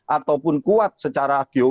ataupun kuat secara